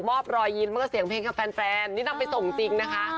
อบรอยยิ้มเมื่อเสียงเพลงกับแฟนนี่นำไปส่งจริงนะคะ